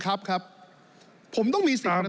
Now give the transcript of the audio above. ตามข้อบังคับครับ